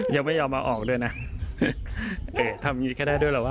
ยังไม่ยอมมาออกด้วยนะเอกทำอย่างนี้ก็ได้ด้วยเหรอวะ